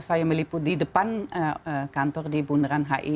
saya meliput di depan kantor di bundaran hi